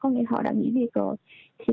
có nghĩa là họ đã nghỉ việc rồi